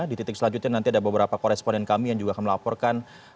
di titik selanjutnya nanti ada beberapa koresponden kami yang juga akan melaporkan